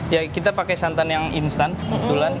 ya kita pakai santan yang instan kebetulan